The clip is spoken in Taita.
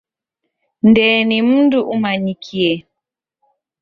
Ndee ni mndu umanyikie.